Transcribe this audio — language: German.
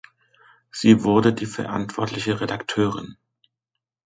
Sie wurde die verantwortliche Redakteurin.